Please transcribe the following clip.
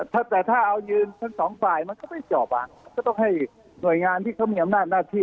แต่ถ้าเอายืนทั้งสองปลายมันก็ไม่จอบอ่ะก็ต้องให้หน่วยงานที่เค้าเมียมนาธิ